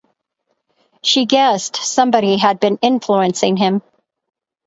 She guessed somebody had been influencing him.